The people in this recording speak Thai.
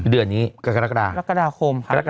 เดือนนี้กรกฎาคม